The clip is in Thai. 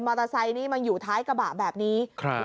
มอเตอร์ไซต์นี่มันอยู่ท้ายกระบะแบบนี้